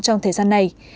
trong thời gian này